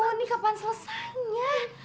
lampu nih kapan selesainya